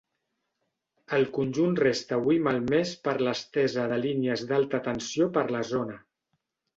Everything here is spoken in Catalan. El conjunt resta avui malmès per l'estesa de línies d'alta tensió per la zona.